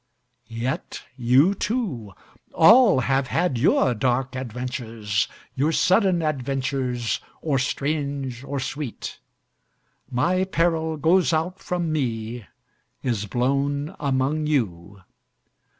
... Yet you, too, all have had your dark adventures, Your sudden adventures, or strange, or sweet ... My peril goes out from me, is blown among you.